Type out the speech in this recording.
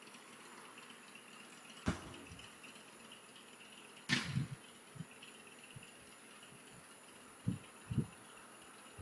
Overall the album was peaked at top ten in thirteen countries.